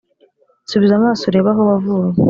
subiza amaso urebe aho wavuye